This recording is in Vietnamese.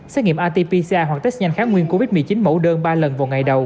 xét nghiệm atpc hoặc test nhanh kháng nguyên covid một mươi chín mẫu đơn ba lần vào ngày đầu